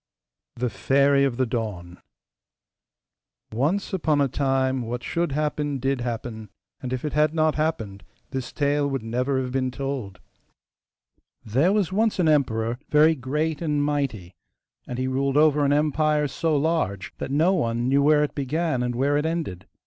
THE FAIRY OF THE DAWN Once upon a time what should happen DID happen; and if it had not happened this tale would never have been told. There was once an emperor, very great and mighty, and he ruled over an empire so large that no one knew where it began and where it ended.